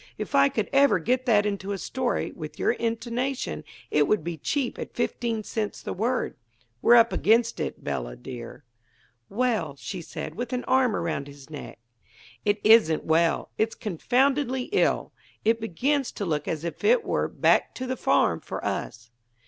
If I could ever get that into a story, with your intonation, it would be cheap at fifteen cents the word. We're up against it, Bella, dear." "Well?" she said, with an arm around his neck. "It isn't well; it's confoundedly ill. It begins to look as if it were 'back to the farm' for us."